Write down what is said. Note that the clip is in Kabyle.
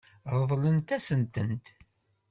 Ṛeḍlent-asen-tent.